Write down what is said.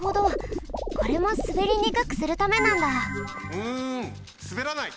うんすべらない。